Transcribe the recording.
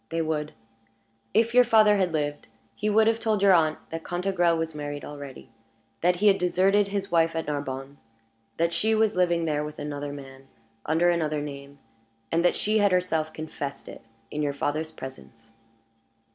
"They would. If your father had lived, he would have told your aunt that Cantegrel was married already; that he had deserted his wife at Narbonne; that she was living there with another man, under another name; and that she had herself confessed it in your father's presence."